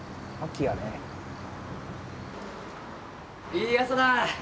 いい朝だ！